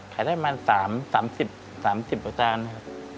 ขายได้ประมาณสามสามสิบสามสิบกว่าจานค่ะ